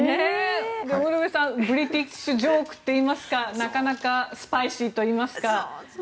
ウルヴェさんブリティッシュジョークといいますかなかなかスパイシーといいますか。